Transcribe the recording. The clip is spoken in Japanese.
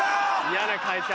嫌な会社。